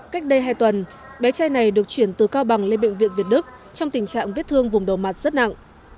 cách đây hai tuần bé trai này được chuyển từ cao bằng lên bệnh viện việt đức trong tình trạng vết thương vùng đầu mặt rất nặng